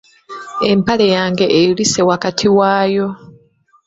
Empale yange eyulise wakati wayo.